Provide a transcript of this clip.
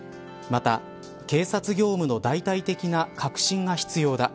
また警察業務の大々的な革新が必要だ。